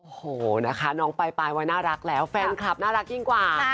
โอ้โหนะคะน้องปลายวัยน่ารักแล้วแฟนคลับน่ารักยิ่งกว่า